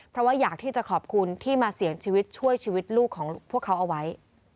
เพราะว่าอยากที่จะขอบคุณที่มาเสี่ยงชีวิตช่วยชีวิตลูกของพวกเขาเอาไว้